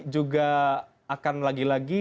juga akan lagi lagi